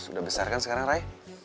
sudah besar kan sekarang rai